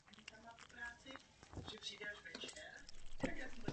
Personální marketing není jen o náboru nových zaměstnanců.